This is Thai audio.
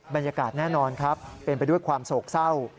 บรรยากาศแน่นอนครับเป็นไปด้วยความโศกเศร้า